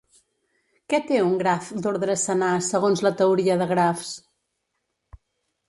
Què té un graf d'ordre senar segons la teoria de grafs?